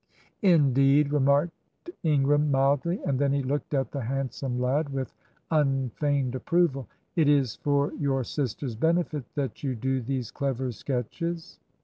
"Indeed!" remarked Ingram, mildly. And then he looked at the handsome lad with unfeigned approval. "It is for your sister's benefit that you do these clever sketches?